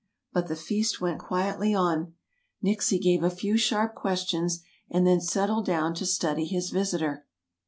But the feast went quietly on. Nixie gave a few sharp questions and then settled down to study his visitor.